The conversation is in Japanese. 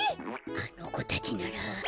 あのこたちなら。